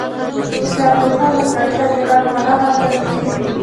د چاپلوسانو افراطي تبليغات هغه حد ته رسېدلي دي.